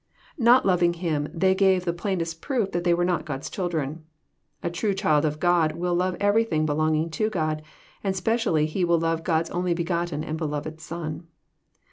Not loving Him, they gave the plain est proof that they were not God's children. — A true child of God will love everything belonging to God, and specially he will love God's only begotten and beloved Son.